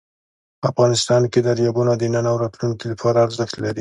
افغانستان کې دریابونه د نن او راتلونکي لپاره ارزښت لري.